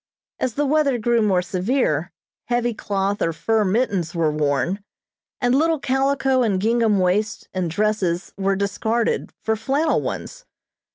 As the weather grew more severe, heavy cloth or fur mittens were worn, and little calico and gingham waists and dresses were discarded for flannel ones.